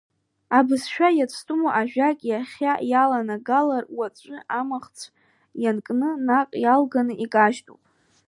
Абызшәа иацәтәыму ажәак иахьа иаланагалар, уаҵәы амахцә ианкны наҟ иалганы икажьтәуп.